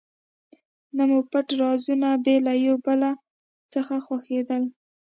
نه مو پټ رازونه بې له یو بل څخه ښودلي.